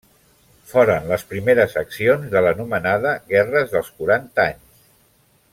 Foren les primeres accions de l'anomenada guerres dels quaranta anys.